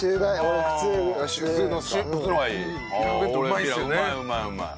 うまいうまいうまい。